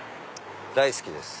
大好きです。